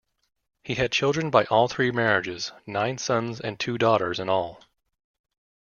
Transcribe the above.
He had children by all three marriages, nine sons and two daughters in all.